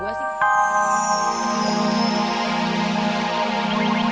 gue jangan mulai masing masing ya